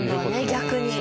逆に。